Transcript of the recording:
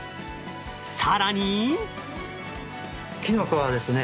更に。